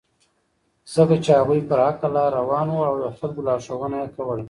ځکه چې هغوی پر حقه لاره روان وو او د خلکو لارښوونه یې کوله.